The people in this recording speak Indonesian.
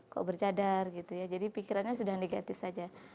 kok bercadar gitu ya jadi pikirannya sudah negatif saja